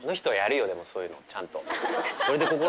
でもそういうのちゃんと。